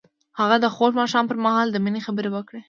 هغه د خوږ ماښام پر مهال د مینې خبرې وکړې.